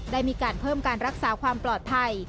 ได้มีการเพิ่มการรักษาความปลอดภัย